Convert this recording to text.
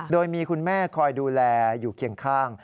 โดยมีคุณแม่คอยดูแลอยู่เคียงข้าง